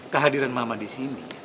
kehadiran mama di sini